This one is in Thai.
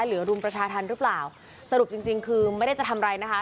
หรือเปล่าสรุปจริงคือไม่ได้จะทำไรนะคะ